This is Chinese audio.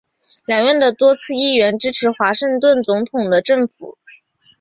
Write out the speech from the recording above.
两院的多数议员支持华盛顿总统的政府。